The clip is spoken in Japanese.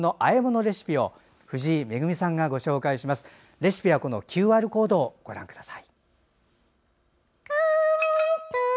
レシピは、このＱＲコードをご覧ください。